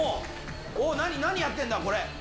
何、何やってんだ、これ。